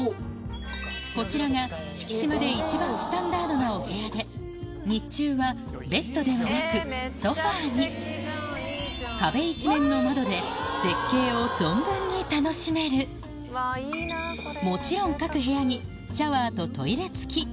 こちらが四季島で一番スタンダードなお部屋で日中はベッドではなくソファに壁一面の窓で絶景を存分に楽しめるもちろん見えない